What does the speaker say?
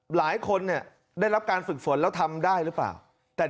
หลายคนเนี่ยได้รับการฝึกฝนแล้วทำได้หรือเปล่าแต่